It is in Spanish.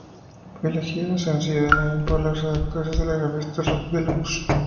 Fue elegido sencillo del año por los redactores de la revista Rockdelux.